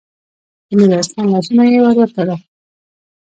د ميرويس خان لاسونه يې ور وتړل.